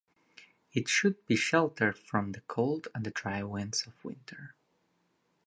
It should be sheltered from the cold and dry winds of winter.